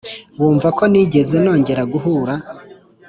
wumva ko nigeze nongera guhura